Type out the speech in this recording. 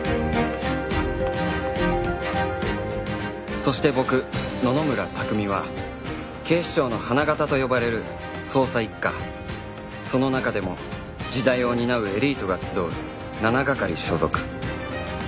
そして僕野々村拓海は警視庁の花形と呼ばれる捜査一課その中でも次代を担うエリートが集う７係所属